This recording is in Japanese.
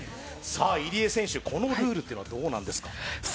入江選手、このルールってどうなんですか？